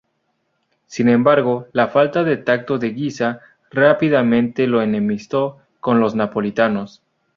Sin embargo, la falta de tacto de Guisa rápidamente lo enemistó con los napolitanos.